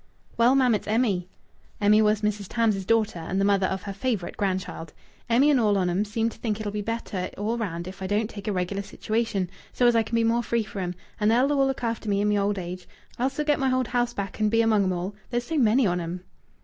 "Well, ma'am, it's Emmy." (Emmy was Mrs. Tams's daughter and the mother of her favourite grandchild.) "Emmy and all on' em seem to think it'll be better all round if I don't take a regular situation, so as I can be more free for 'em, and they'll all look after me i' my old age. I s'll get my old house back, and be among 'em all. There's so many on 'em."